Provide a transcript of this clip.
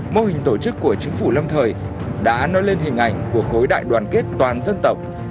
mô hình tổ chức của chính phủ lâm thời đã nói lên hình ảnh của khối đại đoàn kết toàn dân tộc